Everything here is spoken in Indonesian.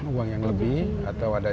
uang yang lebih atau ada